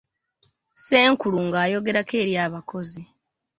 Ssenkulu ng'ayogerako eri abakozi.